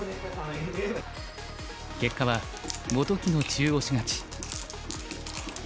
結果は本木の中押し勝ち。